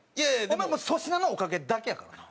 お前粗品のおかげだけやからな。